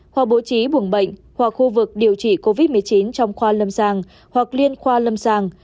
hoặc bố trí buồng bệnh hoặc khu vực điều trị covid một mươi chín trong khoa lâm sàng hoặc liên khoa lâm sàng